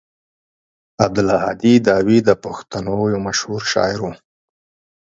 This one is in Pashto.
عبدالهادي داوي د پښتنو يو مشهور شاعر و.